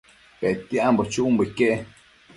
Petiambo chumbo iquec